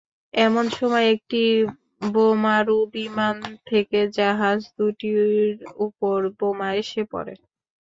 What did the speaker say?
এমন সময় একটি বোমারু বিমান থেকে জাহাজ দুটির ওপর বোমা এসে পড়ে।